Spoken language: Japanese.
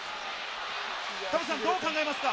田臥さん、どう考えますか。